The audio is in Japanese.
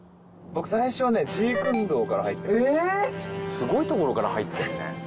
すごいところから入ってるね。